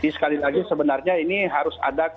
sekali lagi sebenarnya ini harus ada